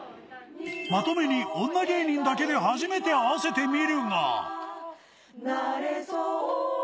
まとめに女芸人だけで初めて合わせてみるが。